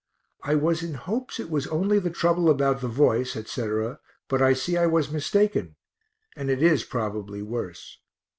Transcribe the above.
I was in hopes it was only the trouble about the voice, etc., but I see I was mistaken, and it is probably worse.